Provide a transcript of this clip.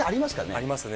ありますね。